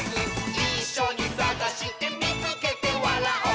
「いっしょにさがしてみつけてわらおう！」